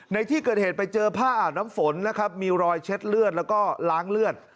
ในที่เกิดเหตุไปเจอผ้าอาบน้ำฝนนะครับมีรอยเช็ดเลือดแล้วก็ล้างเลือด